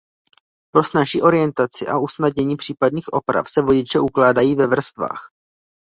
Pro snazší orientaci a usnadnění případných oprav se vodiče ukládají ve vrstvách.